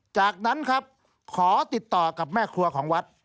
จากนั้นครับขอติดต่อกับแม่ครัวของวัด